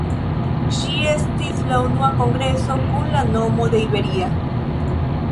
Ĝi estis la unua kongreso kun la nomo de Iberia.